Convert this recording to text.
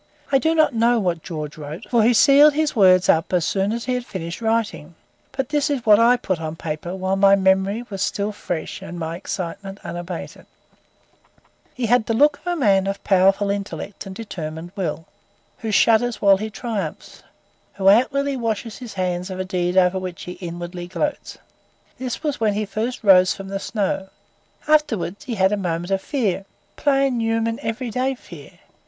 I do not know what George wrote, for he sealed his words up as soon as he had finished writing, but this is what I put on paper while my memory was still fresh and my excitement unabated: He had the look of a man of powerful intellect and determined will, who shudders while he triumphs; who outwardly washes his hands of a deed over which he inwardly gloats. This was when he first rose from the snow. Afterwards he had a moment of fear; plain, human, everyday fear.